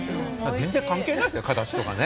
全然関係ないですね、形とかね。